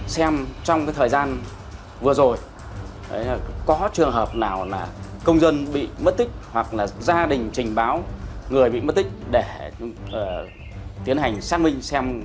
xem trong thời gian vừa rồi có trường hợp nào là công dân bị mất tích hoặc là gia đình trình báo người bị mất tích để tiến hành xác minh